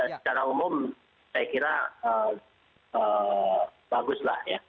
tapi secara umum saya kira baguslah ya